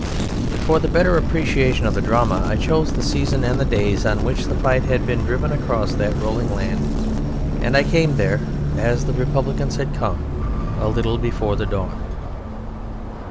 And for the better appreciation of the drama I chose the season and the days on which the fight had been driven across that rolling land, and I came there, as the Republicans had come, a little before the dawn.